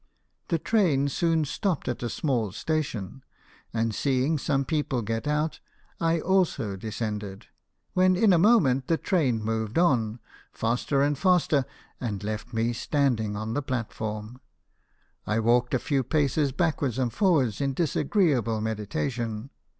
" The train soon stopped at a small station, and, seeing some people get out, I also descended ; when, in a moment, the train moved on faster and faster and left me standing on the platform. I walked a few paces backward and forward in disagreeable meditation.